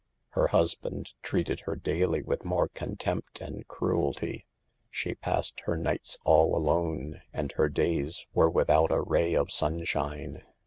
Her husband treated her daily with more contempt and cruelty. She passed her nights all alone, and her days were without a ray of sunshine.